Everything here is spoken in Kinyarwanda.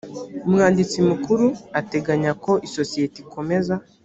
umwanditsi mukuru ateganya ko isosiyete ikomeza